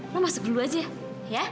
mau masuk dulu aja ya